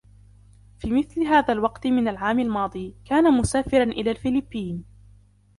في مثل هذا الوقت من العام الماضي ، كان مسافرًا إلى الفلبين.